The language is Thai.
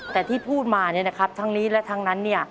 แต่ที่พูดมาเนี่ยนะครับทั้งนี้และทั้งนั้นเนี่ย